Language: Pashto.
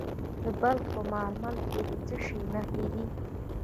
د بلخ په مارمل کې د څه شي نښې دي؟